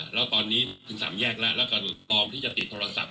แล้วตอนนี้ถึงสามแยกแล้วแล้วก็พร้อมที่จะติดโทรศัพท์